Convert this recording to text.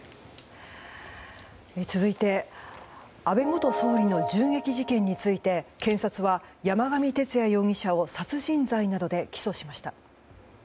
続いて安倍元総理の銃撃事件について検察は、山上徹也容疑者を殺人罪などで起訴しました。